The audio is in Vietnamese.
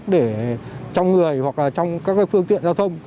để trong người hoặc là trong các phương tiện giao thông